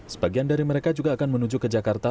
sebagian dari mereka juga akan menuju ke jakarta